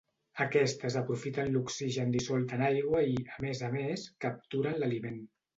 Aquestes aprofiten l'oxigen dissolt en l'aigua i, a més a més, capturen l'aliment.